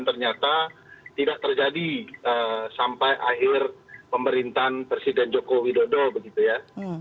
ternyata tidak terjadi sampai akhir pemerintahan presiden joko widodo begitu ya